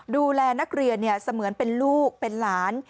ดูแลนักเรียนเสมือนเป็นลูกเป็นหลาน